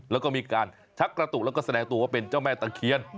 แล้วก็มีการชักกระตุกแล้วก็แสดงตัวว่าเป็นเจ้าแม่ตะเคียน